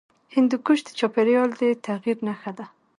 هندوکش د چاپېریال د تغیر نښه ده.